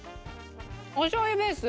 おしょう油ベース。